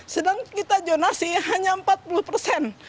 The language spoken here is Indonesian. sedang kita jonasi hanya empat puluh persen